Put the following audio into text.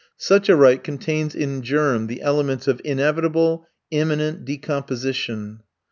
Such a right contains in germ the elements of inevitable, imminent decomposition.